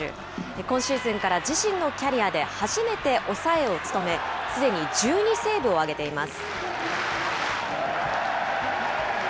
今シーズンから自身のキャリアで初めて抑えを務め、すでに１２セーブを挙げています。